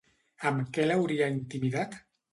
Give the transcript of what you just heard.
Amb què l'hauria intimidat?